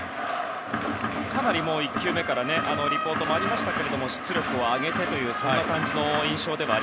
かなり１球目からリポートにもありましたが出力を上げてという感じの印象です。